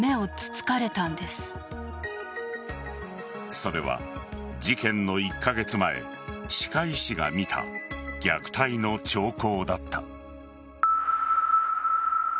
それは事件の１カ月前歯科医師が見た虐待の兆候だった。